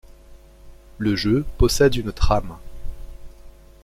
Le jeu possède une trame.